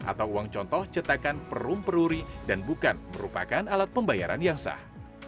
atau uang contoh cetakan perum peruri dan bukan merupakan alat pembayaran yang sah